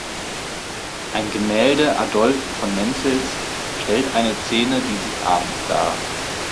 Ein Gemälde Adolph von Menzels stellt eine Szene dieses Abends dar.